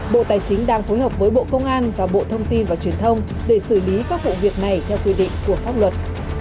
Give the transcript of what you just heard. bộ tài chính đang phối hợp với bộ công an và bộ thông tin và truyền thông để xử lý các vụ việc này theo quy định của pháp luật